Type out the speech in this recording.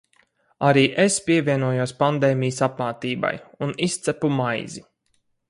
Arī es pievienojos pandēmijas apmātībai un izcepu maizi.